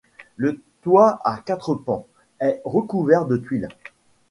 Le toit à quatre pans est recouvert de tuiles.